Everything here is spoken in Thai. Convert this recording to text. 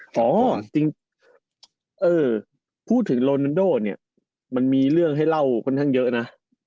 อ๋อจริงพูดถึงโรนันโดเนี่ยมันมีเรื่องให้เล่าค่อนข้างเยอะนะ